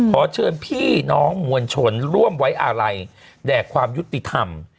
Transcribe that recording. ขอเชิญพี่น้องมวลชนร่วมไว้อาลัยแด่ความยุติธรรม